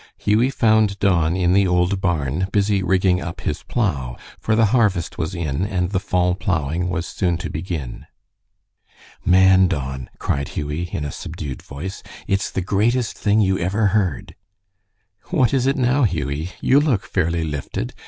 Hughie found Don in the old barn, busy "rigging up" his plow, for the harvest was in and the fall plowing was soon to begin. "Man, Don!" cried Hughie, in a subdued voice, "it's the greatest thing you ever heard!" "What is it now, Hughie? You look fairly lifted.